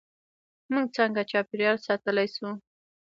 موږ څنګه چاپیریال ساتلی شو؟